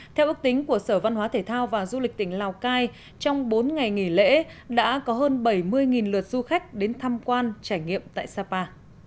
theo ước tính của sở văn hóa thể thao và du lịch tỉnh lào cai trong bốn ngày nghỉ lễ đã có hơn bảy mươi lượt du khách đến tham quan trải nghiệm tại sapa